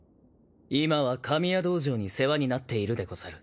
今は神谷道場に世話になっているでござる。